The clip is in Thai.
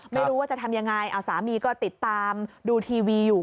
ไม่รู้ว่าจะทำยังไงเอาสามีก็ติดตามดูทีวีอยู่